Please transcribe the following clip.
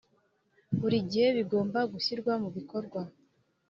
buri gihe bigomba gushyirwa mubikorwa.